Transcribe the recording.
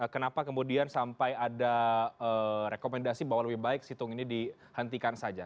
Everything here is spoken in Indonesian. kenapa kemudian sampai ada rekomendasi bahwa lebih baik situng ini dihentikan saja